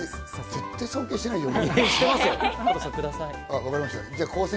絶対尊敬してないよね。